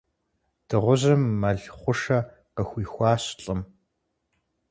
Дыгъужьым мэл хъушэ къыхуихуащ лӀым.